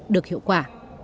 được hiệu quả